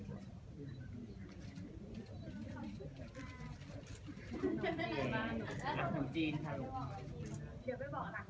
ก็จะทำหน้าที่นะคะ